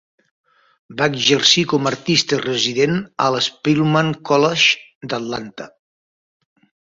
Va exercir com a artista resident al Spelman College d'Atlanta.